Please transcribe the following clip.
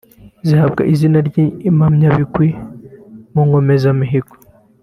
zihabwa izina ry’Impamyabigwi mu Nkomezamihigo